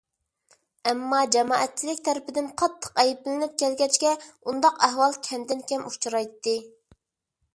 ئەمما، جامائەتچىلىك تەرىپىدىن قاتتىق ئەيىبلىنىپ كەلگەچكە، ئۇنداق ئەھۋال كەمدىن كەم ئۇچرايتتى.